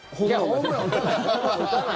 いやホームラン打たない。